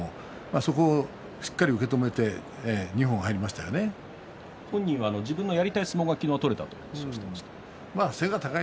そこをしっかり受け止めて本人は自分のやりたい相撲が取れたと話しています。